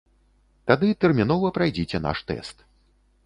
Тады тэрмінова прайдзіце наш тэст.